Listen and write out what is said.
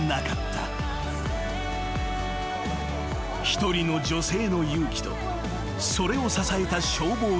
［一人の女性の勇気とそれを支えた消防隊員］